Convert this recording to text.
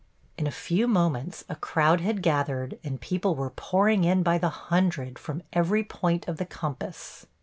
In a few moments a crowd had gathered and people were pouring in by the hundred from every point of the compass.